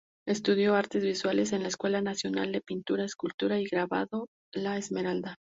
Estudió artes visuales en la Escuela Nacional de Pintura, Escultura y Grabado "La Esmeralda".